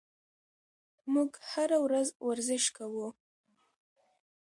موږ هره ورځ ورزش کوو.